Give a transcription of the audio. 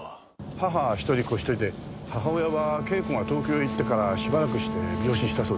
母一人子一人で母親は啓子が東京へ行ってからしばらくして病死したそうです。